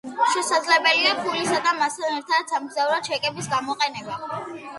შესაძლებელია ფულისა და მასთან ერთად სამგზავრო ჩეკების გამოყენება.